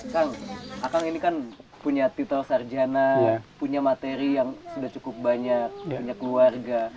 kang akang ini kan punya titel sarjana punya materi yang sudah cukup banyak punya keluarga